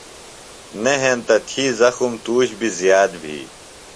نہ ہینتہ تھی زخم تُوش بیۡ زِیات بھی۔